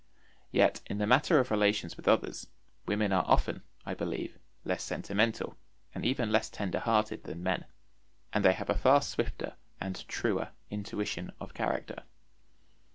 Yet in the matter of relations with others, women are often, I believe, less sentimental, and even less tender hearted than men, and they have a far swifter and truer intuition of character.